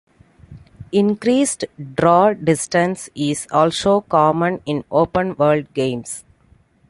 Increased draw distance is also common in open world games.